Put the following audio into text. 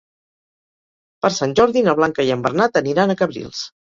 Per Sant Jordi na Blanca i en Bernat aniran a Cabrils.